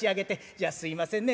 じゃあすみませんね